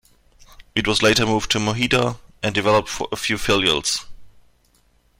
It was later moved to Moheda and developed a few filials.